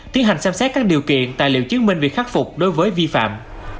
tiến hành xem xét các điều kiện tài liệu chứng minh việc khắc phục đối với vi phạm